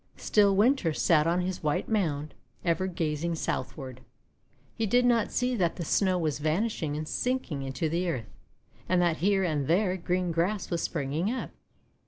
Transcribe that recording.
Still Winter sat on his white mound, ever gazing southward. He did not see that the Snow was vanishing and sinking into the earth, and that here and there green grass was springing up.